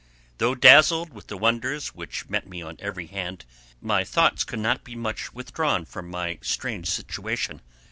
Though dazzled with the wonders which met me on every hand, my thoughts could not be much withdrawn from my strange situation.